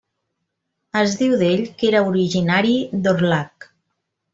Es diu d'ell que era originari d'Orlhac.